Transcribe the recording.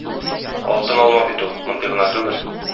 Алтын алма бит ул, мондый гына түгел.